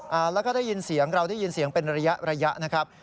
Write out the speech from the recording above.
แล้วก็ได้ยินเสียงเราได้ยินเสียงเป็นระยะระยะนะครับ